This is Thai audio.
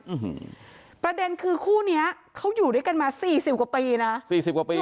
อืมประเด็นคือคู่เนี้ยเขาอยู่ด้วยกันมาสี่สิบกว่าปีนะสี่สิบกว่าปี